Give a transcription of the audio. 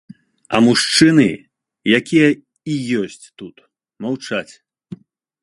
А мужчыны, якія і ёсць тут, маўчаць.